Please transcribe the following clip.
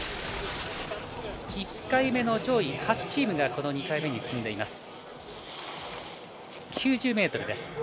１回目の上位８チームがこの２回目に進んでいます。